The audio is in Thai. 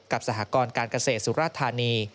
สหกรการเกษตรสุราธานี